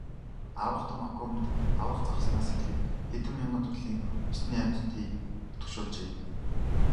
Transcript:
Аварга том аквариумд аварга загаснаас эхлээд хэдэн мянган төрлийн усны амьтдыг нутагшуулжээ.